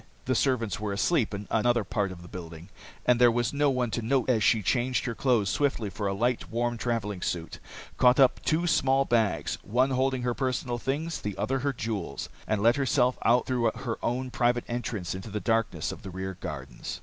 The servants were asleep in another part of the building, and there was no one to note as she changed her clothes swiftly for a light, warm travelling suit, caught up two small bags, one holding her personal things, the other her jewels, and let herself out through her own private entrance into the darkness of the rear gardens.